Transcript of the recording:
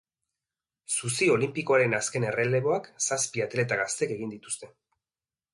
Zuzi olinpikoaren azken erreleboak zazpi atleta gaztek egin dituzte.